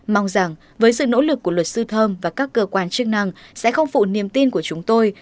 mong rằng với sự nỗ lực của luật sư thơm và các cơ quan chức năng sẽ không phụ niềm tin của chúng tôi